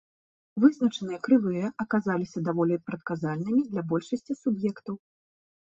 Вызначаныя крывыя аказаліся даволі прадказальнымі для большасці суб'ектаў.